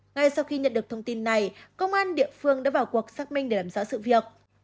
ngay sau khi nhận được thông tin này công an địa phương đã vào cuộc xác minh để làm rõ sự việc